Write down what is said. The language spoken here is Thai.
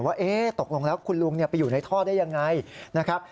ว่าตกลงแล้วคุณลุงไปอยู่ในท่อได้ยังไงนะครับ